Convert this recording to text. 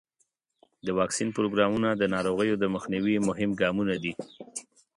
د واکسین پروګرامونه د ناروغیو د مخنیوي مهم ګامونه دي.